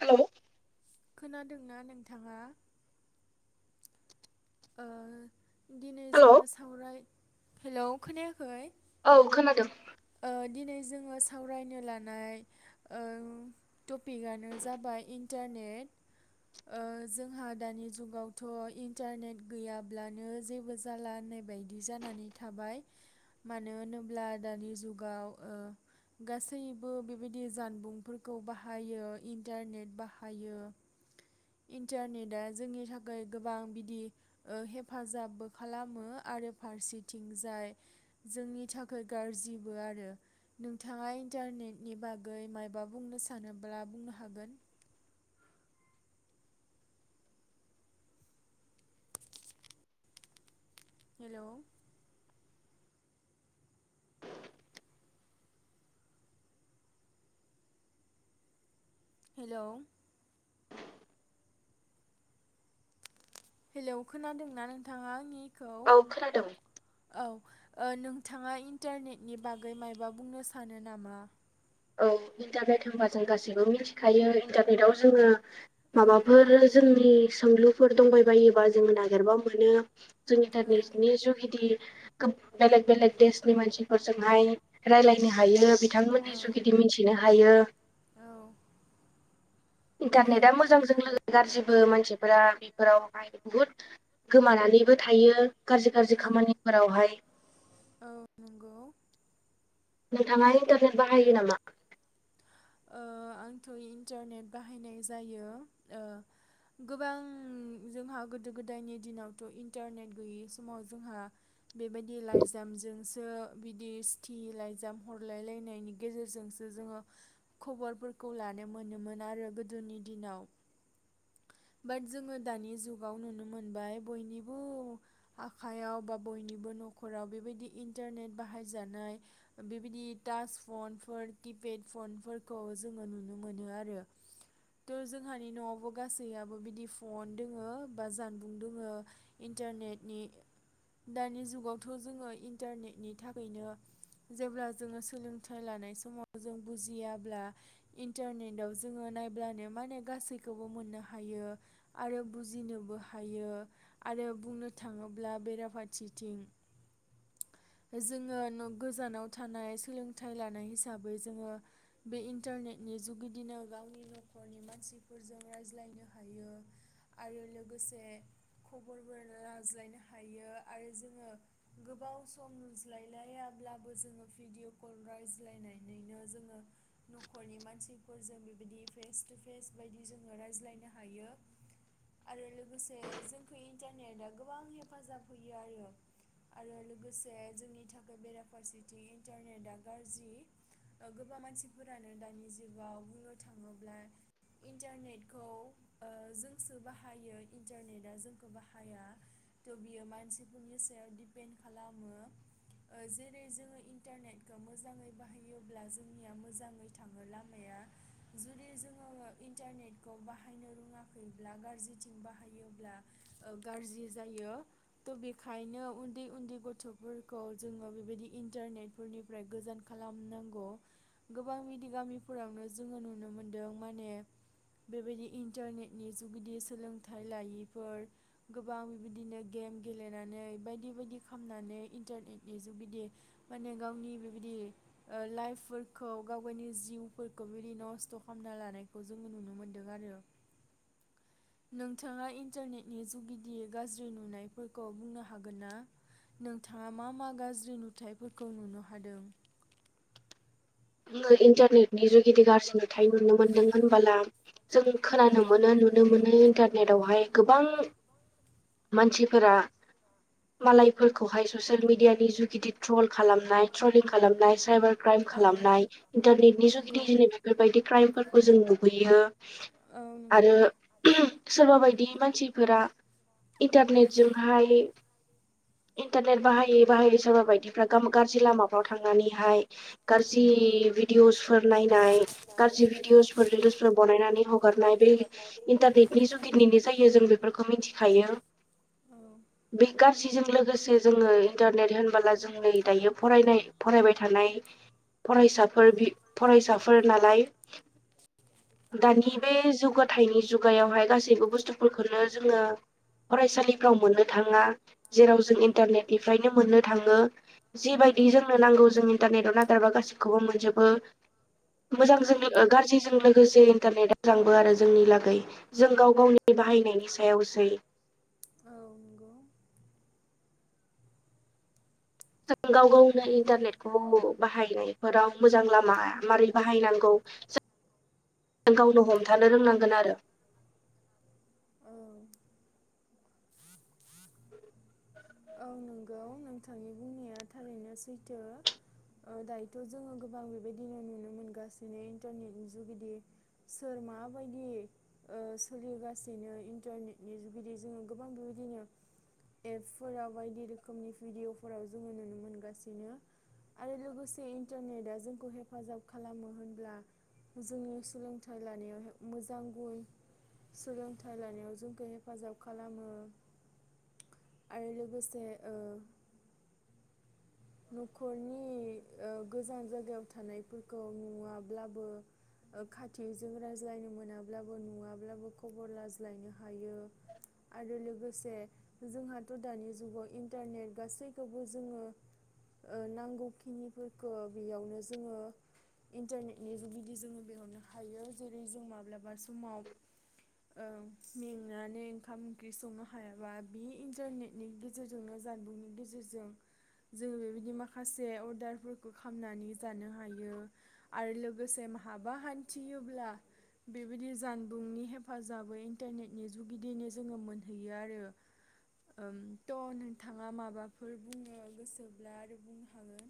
Hello खोनादोंना नोंथाङा ओ दिनै हेलौ जोङो सावराय हेलौ खोनायाखै औ खोनादों ओ दिनै जोङो सावरायनो लानाय ओ टपिकआनो जाबाय इन्टारनेट ओ जोंहा दानि जुगावथ' इन्टारनेट गैयाब्लानो जेबो जाला होननाय बायदि जानानै थाबाय मानो होनोब्ला दानि जुगाव ओ गासैबो बेबायदि जानबुंफोरखौ बाहायो इन्टारनेट बाहायो इन्टारनेटआ जोंनि थाखाय गोबां बिदि ओ हेफाजाबबो खालामो आरो फारसेथिंजाय जोंनि थाखाय गाज्रिबो आरो नोंथाङा इन्टारनेटनि बागै मायबा बुंनो सानोब्ला बुंनो हागोन हेलौ हेलौ हेलौ खोनादोंना नोंथाङा आंनि औ खोनादों ओ नोंथाङा इन्टारनेटनि बागै माबा बुंनो सानो नामा? औ इन्टारनेट होनबा जों गासैबो मिथिखायो इन्टारनेटआव जोङो औ माबाफोर जोंनि सोंलुफोर दंबाय बायोबा जोङो नागिरबा मोनो जों औ इन्टारनेटनि जुगिदि गोब बेलेग बेलेग देशनि मानसिफोरजोंहाय रायलायनो हायो बि औ बिथांमोननि जुग बिदि मिथिनो हायो औ ओम इन्टारनेटा मोजांजों लोगो गाज्रिबो मानसिफोरा बेफोरावहाय बुहुद गोमानानैबो थायो गाज्रि गाज्रि औ खामानिफोरावहाय औ नंगौ। नोंथाङा इन्टारनेट बाहायो नामा ओ आंथ' इन्टारनेट बाहायनाय जायो ओ गोबां जोंहा गोदो गोदायनि दिनावथ' इन्टारनेट गैयै समाव जोंहा बेबायदि लाइजामजोंसो बिदि सिटि लाइजाम हरलायलायनायनि गेजेरजोंसो जोङो खबरफोरखौ लानो मोनोमोन आरो गोदोनि दिनाव बाट जोङो दानि जुगाव नुनो मोनबाय बयनिबो आखाइयाव बा बयनिबो न'खराव बेबायदि इन्टारनेट बाहायजानाय बेबायदि टास फनफोर किपेड फनफोर खौ जोङो नुनो मोनो आरो थ' जोंहानि न'आवबो गासैयाबो बिदि फन दङ बा जानबुं दङ इन्टारनेटनि दानि जुगावथ' जोङो इन्टारनेटनि थाखायनो जेब्ला जोङो सोलोंथाइ लानाय समाव जों बुजिया अब्ला इन्टारनेटआव जोङो नायब्लानो माने गासैखौबो मोननो हायो आरो बुजिनोबो हायो आरो बुंनो थाङोब्ला बेराफारसेथिं जोङो गोजानाव थानाय सोलोंथाइ लानाय हिसाबै जोङो बे इन्टारनेटनि जुगिदिनो गावनि न'खरनि मानसिफोरजों रायज्लायनो हायो आरो लोगोसे खबरफोर लायज्लायनो हायो आरो जोङो गोबाव सम नुज्लायलायाब्लाबो जोङो भिडिअ कल रायज्लायनानैनो जोङो न'खरनि मानसिफोरजों बेबायदि फेस टु फेस बायदि जोङो रायज्लायनो हायो आरो लोगोसे जोंखौ इन्टारनेटआ गोबां हेफाजाब होयो आरो आरो लोग लोगोसे जोंनि थाखाय बेराफारसेथिं इन्टारनेटआ गाज्रि गोबां मानसिफोरानो दानि जुगाव बुंनो थाङोब्ला इन्टारनेटखौ ओ जोंसो बाहायो इन्टारनेटआ जोंखौ बाहाया थ' बियो मानसिफोरनि सायाव दिडपेन्ड खालामो ओ जेरै जोङो इन्टारनेटखौ मोजाङै बाहायोब्ला जोंनिया मोजाङै थाङो लामाया जुदि जोङो इन्टारनेटखौ बाहायनो रोङाखैब्ला गाज्रिथिं बाहायोब्ला गाज्रि जायो थ' बेखायनो उन दि उन्दै गथ'फोरखौ जोङो बेबायदि इन्टारनेट फोरनिफ्राय गोजान खालामनांगौ गोबां बिदि गामिफोरावनो जोङो नुनो मोनदों माने बेबायदि इन्टारनेटनि जुगिदि सोलोंथाइ लायैफोर गोबां बेबायदिनो गेम गेलेनानै बायदि बेबायदि खालामनानै इन्टारनेटनि जुग बिदि माने गावनि बेबायदि ओ लाइफफोरखौ गाव गावनि जिउफोरखौ बेबायदि नस्थ' खालामना लानायखौ जोङो नुनो मोनदों आरो नोंथाङा इन्टारनेटनि जुगिदि गाज्रि नुनायफोरखौ बुंनो हागोन ना नोंथाङा मा मा गाज्रि नुथायफोरखौ नुनो हादों नो इन्टारनेटनि जुगिदि गाज्रि नुथाय नुनो मोनदों होनबोला जों औ खोनानो मोनो नुनो मोनो इनटार नेटआवहाय गोबां मानसिफोरा मालायफोरखौहाय ससियेल मिडियानि जुगिदि ट्रल खालामनाय ट्रलिं खालामनाय साइबार क्राइम औ खालामनाय इन्टारनेटनि जुगिदि नंगौ जै बेफोरबायदि क्राइमफोरखौ जों नुहैयो। औ आरो नंगौ सोरबा बाय बायदि मानसिफोरा इन्टारनेटजोंहाय इन्टारनेट बाहायै बाहायै सोरबा बायदिफ्रा गाज्रि लामाफ्राव थांनानैहाय। गाज्रि भिदिअस फोर नायनाय लोंनाय गाज्रि भिदिअसफोर गाज्रि रिलसफोर जुइसफोर बानायनानै जुइसफोर हगारनाय बनायनानै बै हगारनाय दै इन्टारनेटनि जुगिदिनो जायो जों बेफोरखौ मिथिखायो औ बे गाज्रिजों लोगो लोगोसे जोङो इन्टारनेट होनबोला जों नै दायो फरायनाय फरायबाय थानाय। फरायसाफोर बि फरायसाफोर नालाय। औ दानि बे जौगाथायनि जुगायावहाय गासैबो बुस्थुफोरखौनो जोङो फरायसालिफ्राव मोननो थाङा जेराव जों इन्टारनेटनिफ्रायनो मोननो थाङो। जिबायदि जोंनो नांगौ जों इन्टारनेटआव नां जेनेबा गासिखौबो मोनजोबो औ मोजांजों नंगौ औ गाज्रिजों लोगोसे इन्टारनेटना मोजांबो आरो जोंनि लागै जों गाव गावनि बाहायनायनि सायावसै। औ नंगौ। जों गाव गावनो इन्टारनेटखौ बाहायनायफोराव मोजां लामा मारै बाहायनांगौ गावनो हमथानो रोंनांगोन आरो। औ औ नंगौ नोंथांनि बुंनाया थारैनो सैथो ओ दायोथ' जोङो गोबां बेबायदिनो नुनो मोनगासिनो इन्टारनेटनि जुगिदि सोर माबायदि ओ सोलिगासिनो इन्टारनेटनि जुगिदि जोङो गोबां बेबायदिनो एप फोराव बायदि रोखोमनि भिडिअफोराव जोङो नुनो मोनगासिनो आरो लोगोसे इन्टारनेटआ जोंखौ हेफाजाब खालामो होनब्ला जोंनि सोलोंथाइ लानायाव मोजां गुन सोलोंथाइ लानायाव जोंखौ हेफाजाब खालामो। आरो लोगोसे ओ न'खरनि ओ गोजान जायगायाव थानायफोरखौ नुवाब्लाबो ओ खाथिजों रायज्लायनो मोनाब्लाबो नुवाब्लाबो खबर लाज्लायनो हायो आरो लोगोसे जोंहाथ' दानि जुगाव इन्टारनेट गासैखौबो जोङो। ओ नांगौखिनिफोरखौ बेयावनो जोङो इन्टारनेटनि जुगिदि जोङो बिहरनो हायो जेरै जों माब्लाबा समाव। ओं मेंनानै ओंखाम ओंख्रि संनो हायाबा बे इन्टारनेटनि गेजेरजोंनो जानबुंनि गेजेरजों जोङो बेबायदि माखासे अर्डारफोरखौ खामनानै जानो हायो आरो लोगोसे माहाबा हानथियोब्ला बेबायदि जानबुंनि हेफाजाबै इन्टारनेटनि जुगिदिनो जोङो मोनहैयो आरो उ थ' नोंथाङा माबाफोर बुंनो गोसो ब्ला आरो बुंनो हागोन।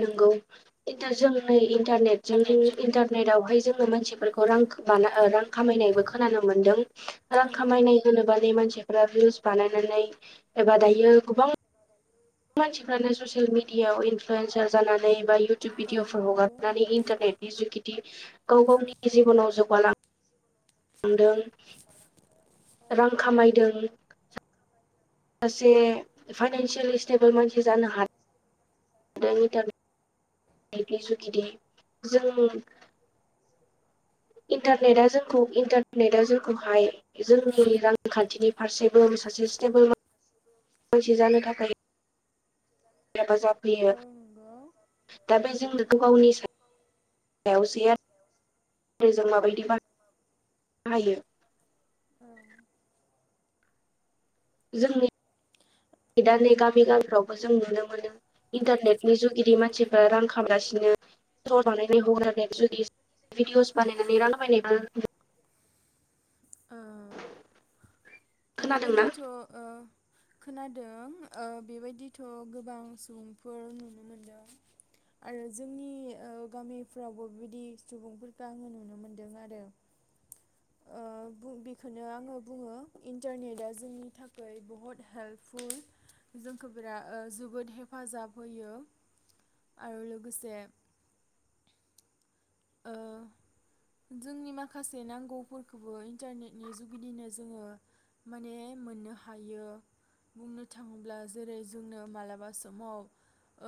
नंगौ खिनथु जों नै इन्टारनेटजों इन्टारनेटवहाय जोङो मानसिफोरखौ रां [unintelligible] ओ रां खामायनायबो खोनानो मोनदों रां औ खामायनाय होनोबा नै मानसिया फ्रा भिउस बानायनानै एबा दायो गोबां मानसिफ्रानो ससियेल मिडियाायाव इनफ्लुयेन्सार जानानै बा इउटुब औ भिडिअफोर नंगौ हगारनानै इन्टारनेटनि जुगि दि गाव गावनि जिबनाव जौगालां दों रां खामायदों सासे फाइनान्सियेलि स्टेबोल मानसि जानो हा [unintelligible] जुगिदि जों इन्टारनेटआ जोंखौ इन्टारनेटआ जोंखौहाय जोंनि रांखानथिनि फारसेबो सासे स्टेबोल मानसि जानो थाखाय। हेफाजाब होयो औ नंगौ दा बे जोंनो गोबावनि [unintelligible] जों औ माबायदि बा नायो। औ। जोंनि दा नै गामि गामिफ्रावबो जों नुनो मोनो इन्टारनेटनि जुगिदि मानसिफ्रा रां खामायगासिनो [unintelligible] ओ खोनादोंना बेबायदिथ' ओ खोनादों ओ बेबायदिथ' गोबां सुबुंफोर नुनो मोनदों आरो जोंनि ओ गामिफ्रावबो बेबायदि सुबुंफोरखौ आङो नुनो मोनदों आरो। ओ बुं बेखौनो आङो बुङो इन्टारनेटआ जोंनि थाखाय बहुत हेल्पफुल जोंखौ बिराद जोबोद हेफाजाब होयो आरो लोगोसे ओ जोंनि माखासे नांगौफोरखौबो इन्टारनेटनि जुगिदिनो जोङो माने मोननो हायो बुंनो थाङोब्ला जेरै जोंनो मालाबा समाव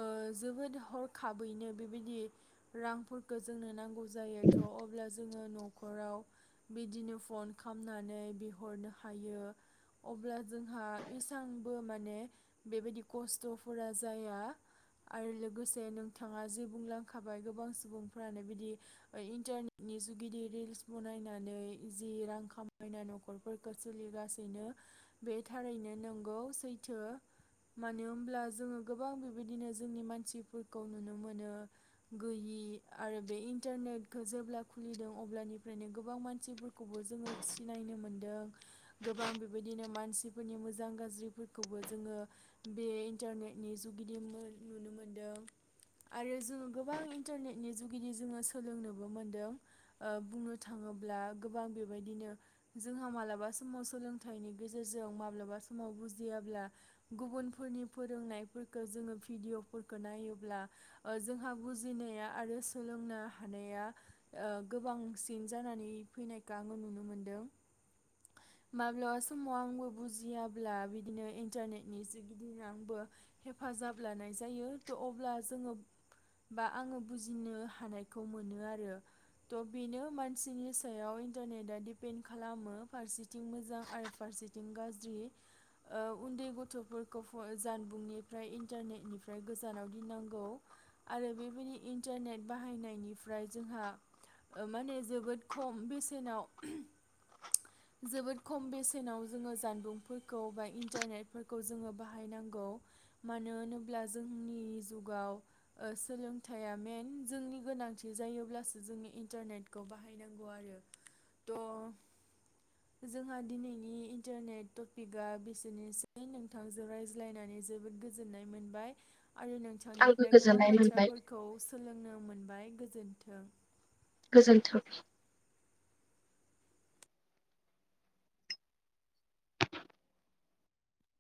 ओ जोबोद हरखाबैनो बेबायदि रांफोरखौ जोंनो नांगौ जायोथ' अब्ला जोङो न'खराव बिदिनो फन खालामनानै बिहरनो हायो अब्ला जोंहा इसांबो माने बेबायदि खस्थ'फोरा जाया आरो लोगोसे नोंथाङा जे बुंलांखाबाय गोबां सुबुं फोरानो बिदि इन्टारनेटनि जुगिदि रिल्स बनायनानै जि रां खामायना न'खरफोरखौ सोलिगासिनो बे थारैनो नोंगौ सैथो मानो होनब्ला जोङो गोबां बेबायदिनो जोंनि मानसिफोरखौ नुनो मोनो गैयि। आरो बे इन्टारनेटखौ जेब्ला खुलिदों अब्लानिफ्रायनो गोबां मानसिफोरखौबो जोङो सिनायनो मोनदों गोबां बेबायदिनो मानसिफोरनि मोजां गाज्रिफोरखौबो जोङो बे इन्टारनेटनि जुगिदि नुनो मोनदों आरो जोङो गोबां इन्टारनेट नि जुगिदि जोङो सोलोंनोबो मोनदों ओ बुंनो थाङोब्ला गोबां बेबायदिनो जोंहा मालाबा समाव सोलोंथाइनि गेजेरजों माब्लाबा समाव बुजियाब्ला गुबुनफोरनि फोरोंनायफोरखौ जोङो भिडिअ'फोरखौ नायोब्ला ओ जोंहा बुजिनाया। आरो सोलोंनो हानाया ओ गोबांसिन जानानै फैनायखौ आङो नुनो मोनदों माब्लाबा समाव आंबो बुजियाब्ला बिदिनो इन्टारनेटनि जुगिदिनो आंबो हेफाजाब लानाय जायो थ' अब्ला जोङो बा आङो बुजिनो हानायखौ मोनो आरो थ' बेनो मानसिनि सायाव इन्टारनेटआ डपेन्ड खालामो फारसे थिं मोजां आरो फारसेथिं गा ज्रि ओ उनदै गथ'फोरखौ जानबुंनिफ्राय इन्टारनेटनिफ्राय गोजानाव गिनांगौ आरो बेबादि इन्टारनेट बाहायनायनिफ्राय जोंहा ओ माने जोबोद खम बेसेनाव जोबोद खम बेसेनाव जों जानबुंफोरखौ बा इन्टारनेट फोरखौ जों बाहायनांगौ मानो होनोब्ला जोंनि जुगाव ओ सोलोंथाइ आ मेन जोंनि गोनांथि जायोब्लासो जोंनि इन्टारनेटखौ बाहायनांगौ आरो थ' जोंहा दिनैनि इन्टारनेट टपिकआ बिसेनोसै नोंथांजों रायज्लायनानै जोबोद गोजोननाय मोनबाय। आरो आंबो नोंथांनिफ्राय गोबां गोजोननाय मोनबाय बाथ्राफोरखौ मोनबाय गोजोन्थों। गोजोन्थों।